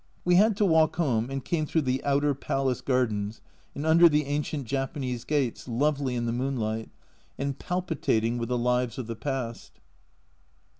We had to walk home, and came through the outer A Journal from Japan 153 palace gardens and under the ancient Japanese gates, lovely in the moonlight, and palpitating with the lives of the past.